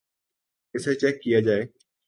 اسے چیک کیا جائے